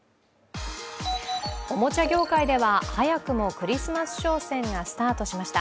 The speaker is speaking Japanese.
おもちゃ業界では早くもクリスマス商戦がスタートしました。